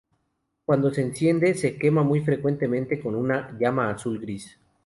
Cuando se enciende se quema muy fuertemente con una llama azul-gris.